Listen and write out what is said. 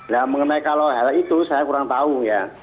nah mengenai kalau hal itu saya kurang tahu ya